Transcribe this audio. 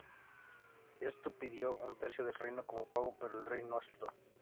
Éste pidió un tercio del reino como pago, pero el rey no aceptó.